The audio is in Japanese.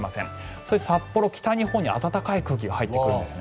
そして、札幌、北日本に暖かい空気が入ってくるんですよね。